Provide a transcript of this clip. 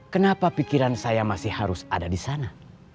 kenapa pikiran saya masih harus ada disana